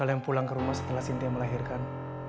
aku mau pulang ke rumah setelah sinti yang melahirkan